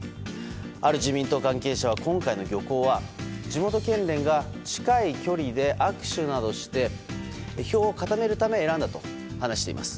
ある自民党関係者は今回の漁港は地元県連が近い距離で握手などして票を固めるため選んだと話しています。